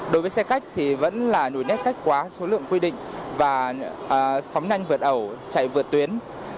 đối với xe khách thì vẫn là nhồi nét khách quá số lượng quy định và phóng nhanh vượt ẩu chạy vượt tuyến